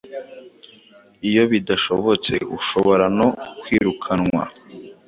iyo bidashobotse, ushobora no kwirukanwa